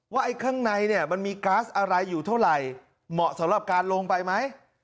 ไอ้ข้างในเนี่ยมันมีก๊าซอะไรอยู่เท่าไหร่เหมาะสำหรับการลงไปไหม